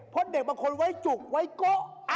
เพราะเด็กบางคนไว้จุกไว้โกะ